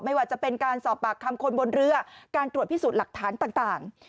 ไม่ว่าจะเป็นการสอบปากคำคนบนเรือการตรวจพิสูจน์หลักฐานต่าง